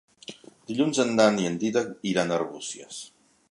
Dilluns en Dan i en Dídac iran a Arbúcies.